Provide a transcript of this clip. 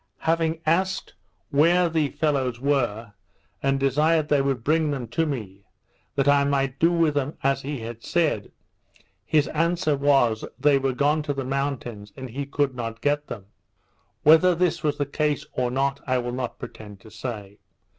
Having asked where the fellows were, and desired they would bring them to me, that I might do with them as he had said, his answer was, they were gone to the mountains, and he could not get them. Whether this was the case or not, I will not pretend to say.